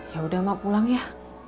yaudah mak pulang ya